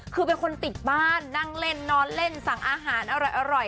คือเป็นคนติดบ้านนั่งเล่นนอนเล่นสั่งอาหารอร่อย